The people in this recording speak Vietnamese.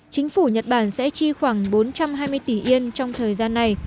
chính phủ nhật bản sẽ chi khoảng bốn trăm hai mươi tỷ yên trong thời gian này